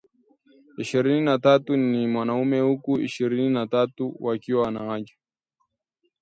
ishirinini na tatu ni wanaume huku ishirinina tatu wakiwa wanawake